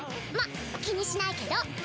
まっ気にしないけど。